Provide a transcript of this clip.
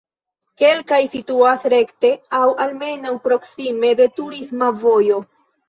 Kelkaj situas rekte aŭ almenaŭ proksime de turisma vojo.